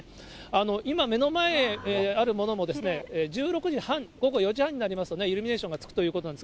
今、目の前にあるものも、１６時半、午後４時半になりますとイルミネーションがつくということなんです。